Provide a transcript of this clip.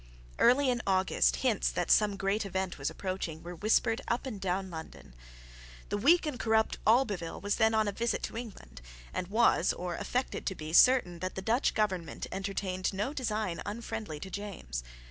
Early in August hints that some great event was approaching were whispered up and down London. The weak and corrupt Albeville was then on a visit to England, and was, or affected to be, certain that the Dutch government entertained no design unfriendly to James.